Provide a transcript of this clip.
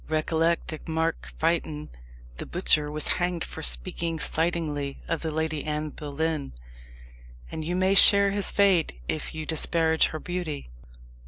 "Recollect that Mark Fytton, the butcher, was hanged for speaking slightingly of the Lady Anne Boleyn; and you may share his fate if you disparage her beauty."